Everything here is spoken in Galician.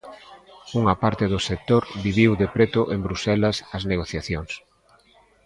Unha parte do sector viviu de preto en Bruxelas as negociacións.